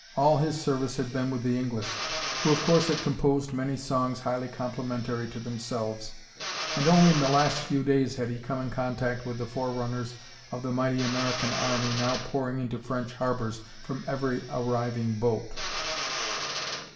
All his service had been with the English, who of course had composed many songs highly complimentary to themselves, and only in the last few days had he come in contact with the forerunners of the mighty American army now pouring into French harbors from every arriving boat.